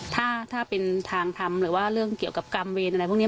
ถ้าเป็นทางทำหรือว่าเรื่องเกี่ยวกับกรรมเวรอะไรพวกนี้